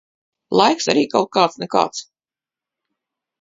Laiks arī kaut kāds nekāds.